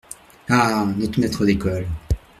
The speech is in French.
Ah ! notre maître d’école !…